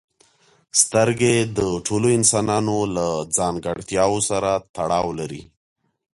سترګې د ټولو انسانانو له ځانګړتیاوو سره تړاو لري.